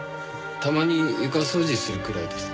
たまに床掃除するくらいです。